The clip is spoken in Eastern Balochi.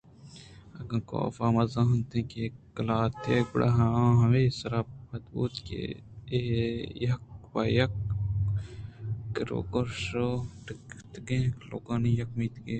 اگاں کافءَ مہ زانتیں کہ اے قلاتےگُڑا آ ہمے سر پد بوتگ ات کہ اے یک پہ یک کرِّءُکش ءَ ڈکّیتگیں لوگانی یک میتگے